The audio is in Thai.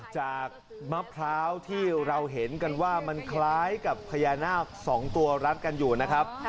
จากมะพร้าวที่เราเห็นกันว่ามันคล้ายกับพญานาค๒ตัวรัดกันอยู่นะครับ